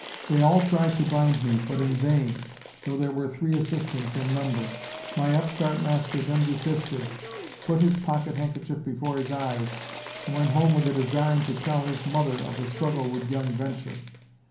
They all tried to bind me but in vain, tho' there were three assistants in number. My upstart master than desisted, put his pocket handkerchief before his eyes and went home with a design to tell his mother of the struggle with young VENTURE.